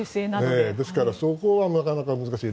ですからそこはなかなか難しい。